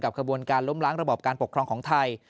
ขบวนการล้มล้างระบอบการปกครองของไทย